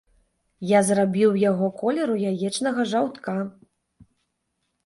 Я зрабіў яго колеру яечнага жаўтка.